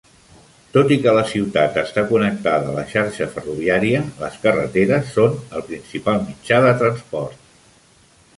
Tot i que la ciutat està connectada a la xarxa ferroviària, les carreteres són el principal mitjà de transport.